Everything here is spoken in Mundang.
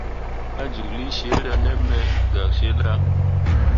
Mayuulii sera me me gak cillah.